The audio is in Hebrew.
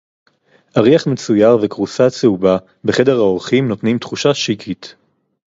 אריח מצויר וכורסה צהובה בחדר האורחים נותנים תחושה שיקית